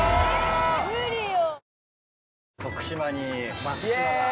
無理よ。